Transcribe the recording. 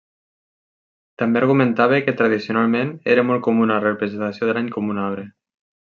També argumentava que tradicionalment era molt comuna la representació de l'any com un arbre.